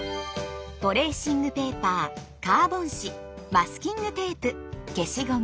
トレーシングペーパーカーボン紙マスキングテープ消しゴム。